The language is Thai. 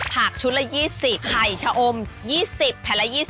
ผักชุดละ๒๐ไข่ชะอม๒๐แผ่นละ๒๐